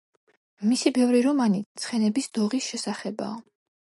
მისი ბევრი რომანი ცხენების დოღის შესახებაა.